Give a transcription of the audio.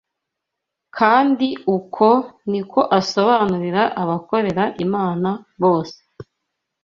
kandi uko ni ko asobanurira abakorera Imana bose